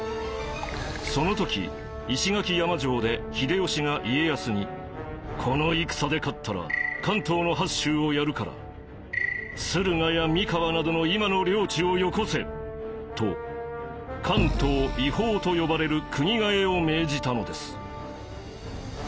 その時石垣山城で秀吉が家康に「この戦で勝ったら関東の八州をやるから駿河や三河などの今の領地をよこせ」と「関東移封」と呼ばれる国替えを命じたのです。